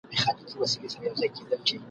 « اختیار به مي د ږیري همېشه د ملا نه وي» !.